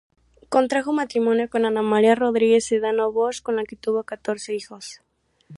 Contrajo matrimonio con Ana María Rodríguez Sedano-Bosch, con la que tuvo catorce hijos.